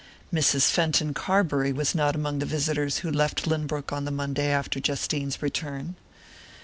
Mrs. Fenton Carbury was not among the visitors who left Lynbrook on the Monday after Justine's return.